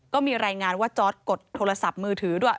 ก็มีรายงานว่าจอร์ดกดโทรศัพท์มือถือด้วย